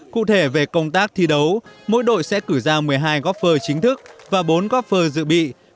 cụ thể về công tác thi đấu mỗi đội sẽ cử ra một mươi hai góp phơi chính thức và bốn góp phơi dự bị